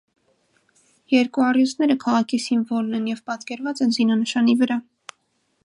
Երկու առյուծները քաղաքի սիմվոլն են և պատկերված են զինանշանի վրա։